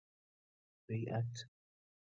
بیعة